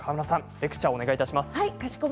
レクチャーお願いします。